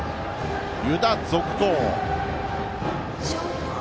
湯田、続投。